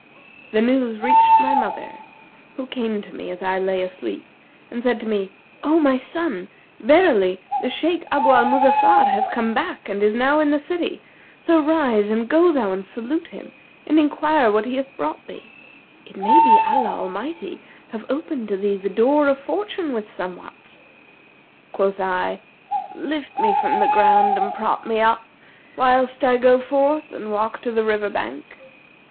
The news reached my mother, who came to me as I lay asleep and said to me, 'O my son, verily the Shaykh Abu al Muzaffar hath come back and is now in the city; so rise and go thou to him and salute him and enquire what he hath brought thee; it may be Allah Almighty have opened to thee the door of fortune with somewhat.' Quoth I, 'Lift me from the ground and prop me up, whilst I go forth and walk to the river bank.'